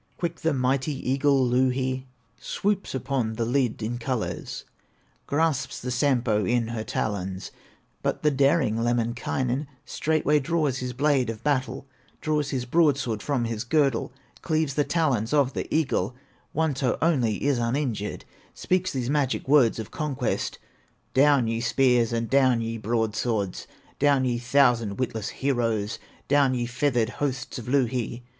Quick the mighty eagle, Louhi, Swoops upon the lid in colors, Grasps the Sampo in her talons; But the daring Lemminkainen Straightway draws his blade of battle, Draws his broadsword from his girdle, Cleaves the talons of the eagle, One toe only is uninjured, Speaks these magic words of conquest: "Down, ye spears, and down, ye broadswords, Down, ye thousand witless heroes, Down, ye feathered hosts of Louhi!"